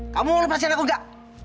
kamu lepas jalan aku enggak